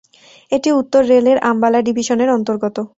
এটি উত্তর রেল-এর আম্বালা ডিভিশনের অন্তর্গত।